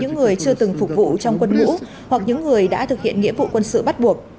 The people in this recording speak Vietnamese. những người chưa từng phục vụ trong quân ngũ hoặc những người đã thực hiện nghĩa vụ quân sự bắt buộc